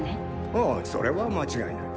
ああそれは間違いない。